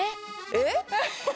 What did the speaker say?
えっ？